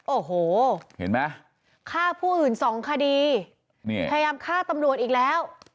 โอ้โหเห็นไหมฆ่าผู้อื่นสองคดีนี่พยายามฆ่าตำรวจอีกแล้ว